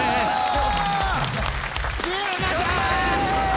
よし！